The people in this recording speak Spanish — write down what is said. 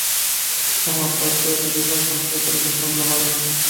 Forma parte de la Guerra Contra el Terrorismo global.